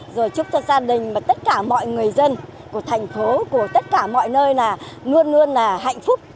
rồi chúc cho gia đình mà tất cả mọi người dân của thành phố của tất cả mọi nơi là luôn luôn là hạnh phúc